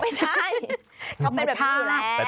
ไม่ใช่เขาเป็นแบบนี้อยู่แล้ว